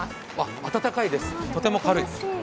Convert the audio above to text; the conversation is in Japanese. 温かいです、とても軽い。